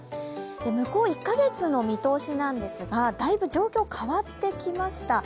向こう１か月の見通しですが、だいぶ状況変わってきました。